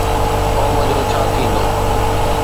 قوم جو ڇا ٿيندو؟